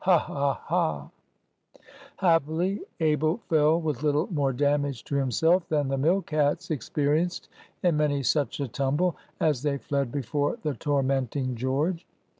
Haw, haw, haw!" Happily, Abel fell with little more damage to himself than the mill cats experienced in many such a tumble, as they fled before the tormenting George.